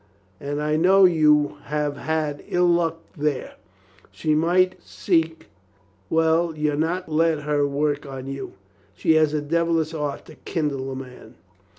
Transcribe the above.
And I know you have had ill luck here. She might seek — well, you'll not let her work on you? She has a devilish art to kindle a man."